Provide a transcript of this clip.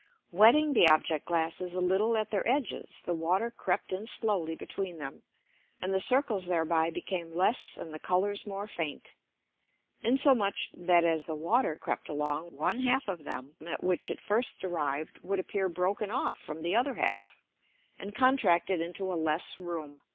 Wetting the Object glasses a little at their edges, the Water crept in slowly between them, and the Circles thereby became less and the Colours more faint: Insomuch that as the Water crept along, one half of them at which it first arrived would appear broken off from the other half, and contracted into a less Room.